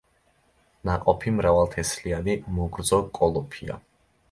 ნაყოფი მრავალთესლიანი მოგრძო კოლოფია.